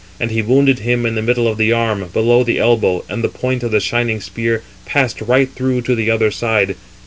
And he wounded him in the middle of the arm, below the elbow, and the point of the shining spear passed right through to the other side.